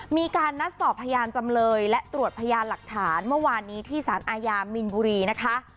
มีการนัดสอบพยานจำเลยและตรวจพยานหลักฐานเมื่อวานนี้ที่สารอาญามินบุรีนะคะ